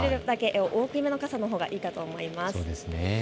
できるだけ大きめの傘のほうがいいかと思います。